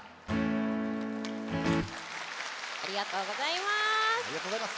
ありがとうございます。